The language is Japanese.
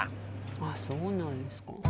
あっそうなんですか。